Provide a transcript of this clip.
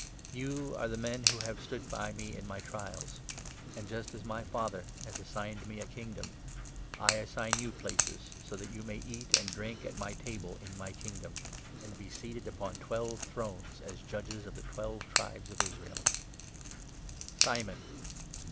You are the men who 28 have stood by me in my trials ; and, just as my Father 29 has assigned me a Kingdom, I assign you places, so that 30 you may eat and drink at my table in my Kingdom, and be seated upon twelve thrones as judges of the twelve tribes of Peter's Fail Israel. Simon